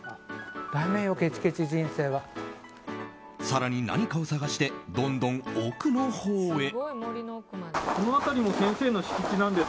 更に何かを探してどんどん奥のほうへ。